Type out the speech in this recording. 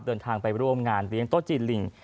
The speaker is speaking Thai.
เดินทางไปร่วมงานเลี้ยงโต๊ะจีนลิง